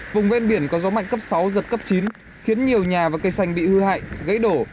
vùng ven biển có gió mạnh cấp sáu giật cấp chín khiến nhiều nhà và cây xanh bị hư hại gãy đổ